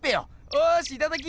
おしいただき！